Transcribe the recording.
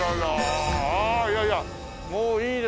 ああいやいやもういいですよ。